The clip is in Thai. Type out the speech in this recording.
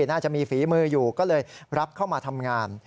น่าจะมีฝีมืออยู่ก็เลยรับเข้ามาทำงาน